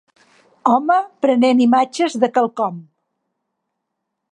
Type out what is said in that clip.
Home prenent imatges de quelcom